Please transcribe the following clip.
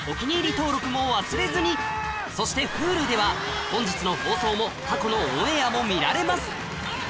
登録も忘れずにそしてＨｕｌｕでは本日の放送も過去のオンエアも見られます